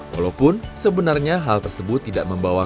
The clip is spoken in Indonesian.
walaupun sebenarnya hal tersebut tidak membawa